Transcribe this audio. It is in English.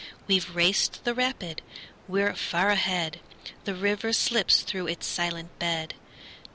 We've raced the rapid, we're far ahead! The river slips through its silent bed.